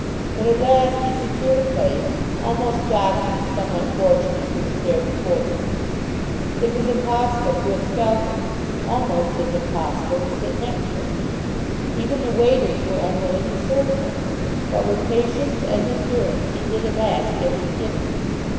But at last he secured a place, almost jostling some unfortunate who was there before him. It was impossible to expel him, almost as impossible to sit next him. Even the waiters were unwilling to serve him; but with patience and endurance he did at last get his dinner.